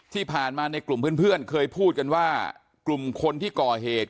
ที่ผ่านมาในกลุ่มเพื่อนเคยพูดกันว่ากลุ่มคนที่ก่อเหตุ